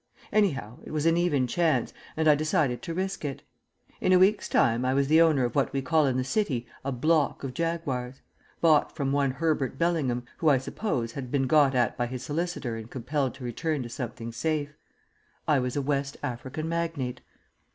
Anyhow, it was an even chance, and I decided to risk it. In a week's time I was the owner of what we call in the City a "block" of Jaguars bought from one Herbert Bellingham, who, I suppose, had been got at by his solicitor and compelled to return to something safe. I was a West African magnate.